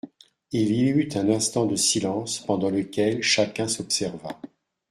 Il y eut un instant de silence pendant lequel chacun s'observa.